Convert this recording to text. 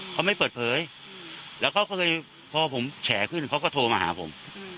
เขาไม่เปิดเผยแล้วเขาเคยพอผมแฉขึ้นเขาก็โทรมาหาผม